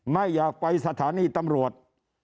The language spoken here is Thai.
ไม่อยากไปสถานีตำรวจ